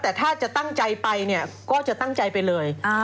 แต่ถ้าจะตั้งใจไปเนี่ยก็จะตั้งใจไปเลย